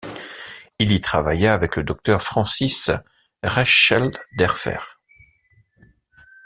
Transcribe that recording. Il y travailla avec le docteur Francis Reichelderfer.